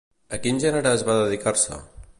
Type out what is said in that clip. A quins gèneres va dedicar-se?